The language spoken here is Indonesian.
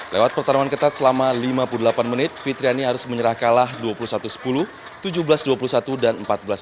lewat pertarungan ketat selama lima puluh delapan menit fitriani harus menyerah kalah dua puluh satu sepuluh tujuh belas dua puluh satu dan empat belas dua puluh